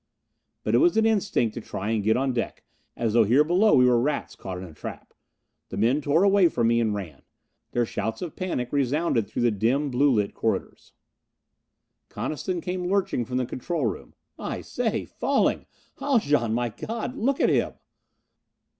But it was an instinct to try and get on deck, as though here below we were rats caught in a trap. The men tore away from me and ran. Their shouts of panic resounded through the dim, blue lit corridors. Coniston came lurching from the control room. "I say falling! Haljan, my God, look at him!"